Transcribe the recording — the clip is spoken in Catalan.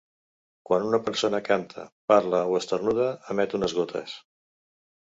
Quan una persona canta, parla o esternuda, emet unes gotes.